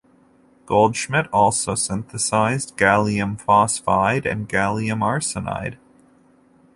Goldschmidt also synthesized gallium phosphide and gallium arsenide.